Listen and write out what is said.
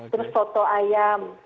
terus foto ayam